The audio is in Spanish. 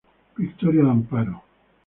Victoria de Amparo.